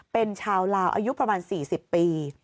เป็นชาวลาวอายุประมาณ๔๐ปี